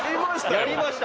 やりました